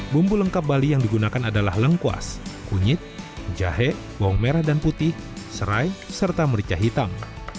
bumbu lengkap bali yang digunakan adalah lengkuas kunyit jahe bawang merah dan putih serai serta merica hitam